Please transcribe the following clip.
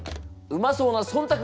うまそうな「忖度」